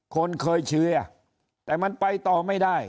คนเคยเชียร์แต่มันไปต่อไม่ได้